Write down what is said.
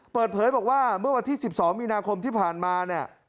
เปิดเผยบอกว่าเมื่อวันที่๑๒มีนาคมที่ผ่านมาเนี่ย